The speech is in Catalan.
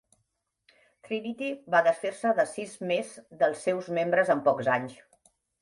Trinity va desfer-se de sis més dels seus membres en pocs anys.